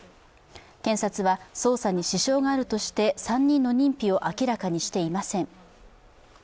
検察は捜査に支障があるとして３人の認否を明らかにしていません。